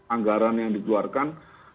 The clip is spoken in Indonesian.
anggaran yang dikeluarkan